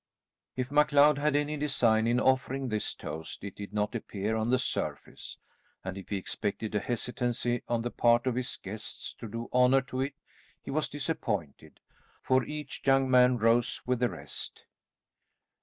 If MacLeod had any design in offering this toast it did not appear on the surface, and if he expected a hesitancy on the part of his guests to do honour to it, he was disappointed, for each young man rose with the rest.